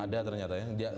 ada ternyata ya